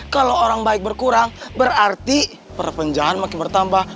kalau orang baik berkurang berarti perpenjangan makin bertambah